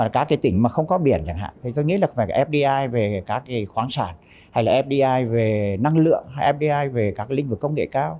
các tỉnh không có biển tôi nghĩ là fdi về khoáng sản fdi về năng lượng fdi về các lĩnh vực công nghệ cao